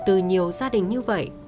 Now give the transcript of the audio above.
từ nhiều gia đình như vậy